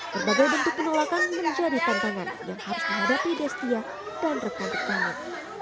berbagai bentuk penolakan menjadi tantangan yang harus menghadapi destia dan rekan rekan teluk